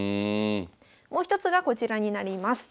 もう一つがこちらになります。